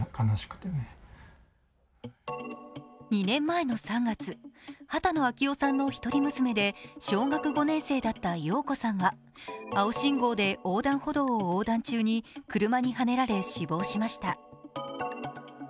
２年前の３月、波多野暁生さんのひとり娘で小学５年生だった燿子さんは青信号で横断歩道を横断中に車にはねられ死亡しました。